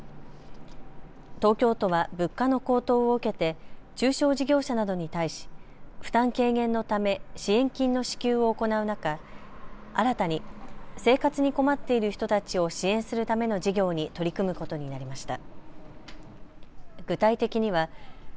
東京都は物価の高騰を受けて中小事業者などに対し負担軽減のため、支援金の支給を行う中、新たに生活に困っている人たちを支援するための事業に取り組むことになりました。